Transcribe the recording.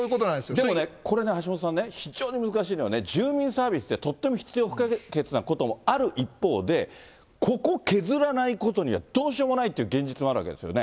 でもこれ、橋下さんね、非常に難しいのは住民サービスっていうのは必要不可欠なこともある一方で、ここ削らないことにはどうしようもないっていう現実もあるわけですよね。